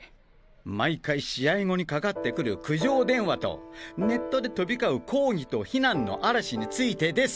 毎回試合後にかかってくる苦情電話とネットで飛び交う抗議と非難の嵐についてです。